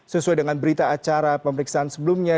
sesuai dengan berita acara pemeriksaan sebelumnya